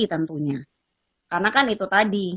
tentunya karena kan itu tadi